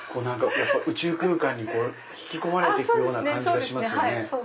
宇宙空間に引き込まれていく感じしますよね。